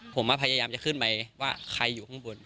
ผมพยายามจะขึ้นไปว่าใครอยู่ข้างบน